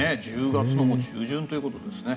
１０月の中旬ということですね。